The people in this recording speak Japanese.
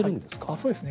そうですね。